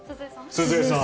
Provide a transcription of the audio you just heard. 鈴江さん。